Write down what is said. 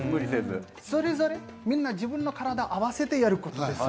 それぞれみんな自分の体、合わせてやることです。